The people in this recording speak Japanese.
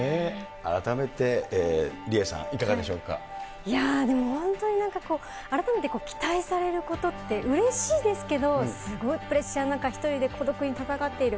改めて理恵さん、いかがでしでも本当になんかこう、改めて期待されることって、うれしいですけど、すごいプレッシャーの中、一人で孤独に戦っている。